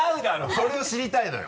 それを知りたいのよ。